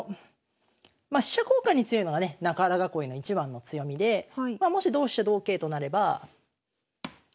まあ飛車交換に強いのはね中原囲いの一番の強みでまあもし同飛車同桂となれば。